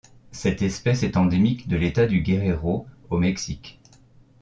Cette espèce est endémique de l'État du Guerrero au Mexique.